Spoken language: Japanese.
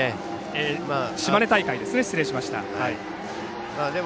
島根大会ですね、失礼しました。